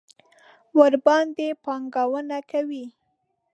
ورباندې پانګونه کوي.